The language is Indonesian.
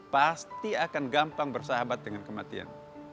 pasti akan gampang bersahabat dengan kematian